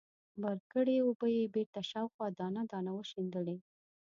بار کړې اوبه يې بېرته شاوخوا دانه وانه وشيندلې.